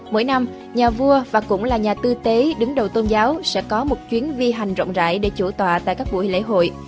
mỗi năm nhà vua và cũng là nhà tư tế đứng đầu tôn giáo sẽ có một chuyến vi hành rộng rãi để chủ tọa tại các buổi lễ hội